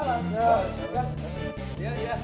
kok gak gerak